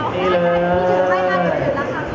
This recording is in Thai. นี่เลย